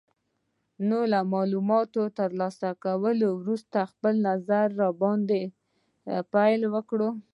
نو له مالوماتو تر لاسه کولو وروسته خپل نظر باندې پیل وکړئ.